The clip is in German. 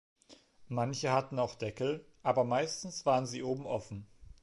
Manche hatten auch Deckel, aber meistens waren sie oben offen.